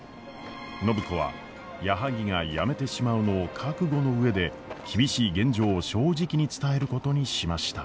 暢子は矢作が辞めてしまうのを覚悟の上で厳しい現状を正直に伝えることにしました。